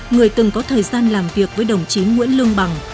người từng có thời gian làm việc với đồng chí nguyễn lương bằng